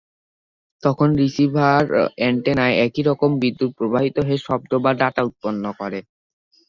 তখন রিসিভার এন্টেনায় একই রকম বিদ্যুৎ প্রবাহিত হয়ে শব্দ বা ডাটা উৎপন্ন করে।